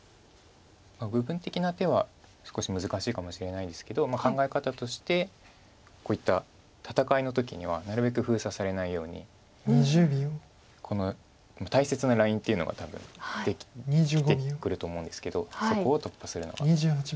部分的な手は少し難しいかもしれないんですけど考え方としてこういった戦いの時にはなるべく封鎖されないように大切なラインっていうのが多分できてくると思うんですけどそこを突破するのが。